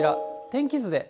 天気図で。